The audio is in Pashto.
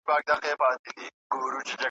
که په ځان هرڅومره غټ وو خو غویی وو `